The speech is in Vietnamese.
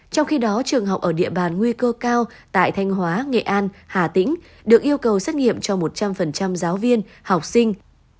trong khi đó trường học ở địa bàn nguy cơ cao tại thanh hóa nghệ an hà tĩnh được yêu cầu xét nghiệm cho một trăm linh giáo viên học sinh